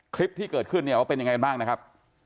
คลิปที่เกิดขึ้นเนี่ยว่าเป็นยังไงกันบ้างนะครับ